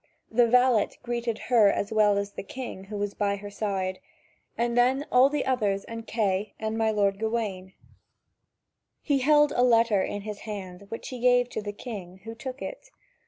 The valet greeted her as well as the king, who was by her side, and then all the others and Kay and my lord Gawain. He held a letter in his hand which he gave to the king, who took it.